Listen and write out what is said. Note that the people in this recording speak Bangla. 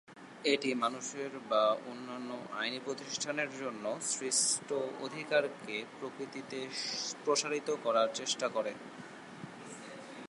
এটি মানুষের বা অন্যান্য আইনী প্রতিষ্ঠানের জন্য সৃষ্ট অধিকারকে প্রকৃতিতে প্রসারিত করার চেষ্টা করে।